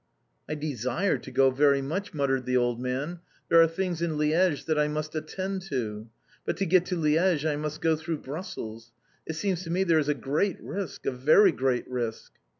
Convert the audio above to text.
"I desire to go very much!" muttered the old man. "There are things in Liège that I must attend to. But to get to Liège I must go through Brussels. It seems to me there is a great risk, a very great risk."